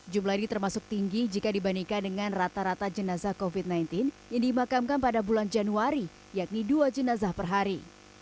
jumlah ini termasuk tinggi jika dibandingkan dengan rata rata jenazah covid sembilan belas yang dimakamkan pada bulan januari yakni dua jenazah per hari